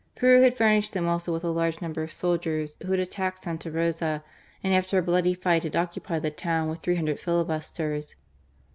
Peru had fur nished them also with a large number of soldiers, who had attacked Santa Rosa and after a bloody fight had occupied the town with three hundred filibusters.